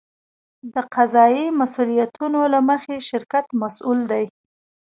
د قضایي مسوولیتونو له مخې شرکت مسوول دی.